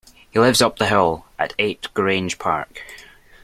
He lives up the hill, at eight Grange Park